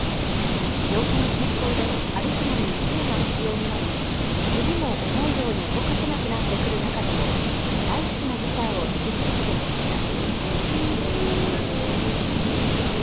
病気の進行で歩くのにつえが必要になり指も思うように動かせなくなってくる中でも大好きなギターを弾き続けてきました。